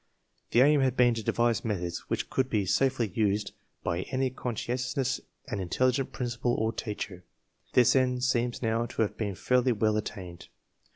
The aim had been to devise methods which could be safely used by any conscientious and intelligent principal or teacher. This end seems now to have been fairly well attained.